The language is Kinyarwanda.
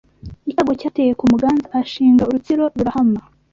Icyago cyateye ku Muganza Ahashinga urutsiro rurahama